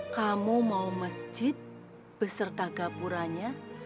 kamu mau masjid beserta gapuranya